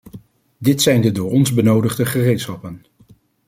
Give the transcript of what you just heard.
Dit zijn de door ons benodigde gereedschappen.